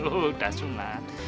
hmm udah sunat